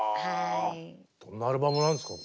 どんなアルバムなんですか？